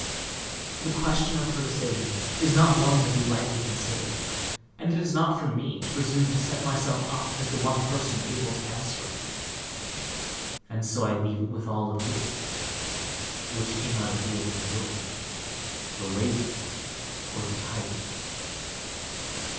The question of her decision is one not to be lightly considered, and it is not for me to presume to set myself up as the one person able to answer it. And so I leave it with all of you: Which came out of the opened door, the lady, or the tiger?